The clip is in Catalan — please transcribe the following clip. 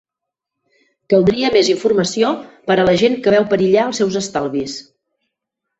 Caldria més informació per a la gent que veu perillar els seus estalvis.